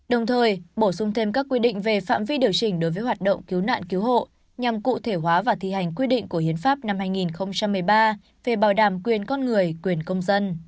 đồng thời bổ sung thêm các quy định về phạm vi điều chỉnh đối với hoạt động cứu nạn cứu hộ nhằm cụ thể hóa và thi hành quy định của hiến pháp năm hai nghìn một mươi ba về bảo đảm quyền con người quyền công dân